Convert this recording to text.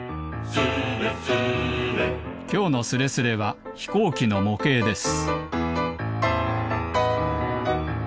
きょうのスレスレはひこうきのもけいです